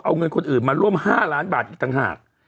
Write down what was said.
เอาเงินคนอื่นมาร่วม๕ล้านบาทอีกต่างหาก